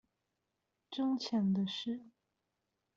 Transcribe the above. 掙錢的事